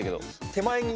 手前に。